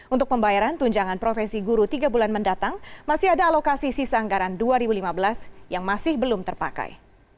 untuk pembayaran tunjangan profesi guru tiga bulan mendatang masih ada alokasi sisa anggaran dua ribu lima belas yang masih belum terpakai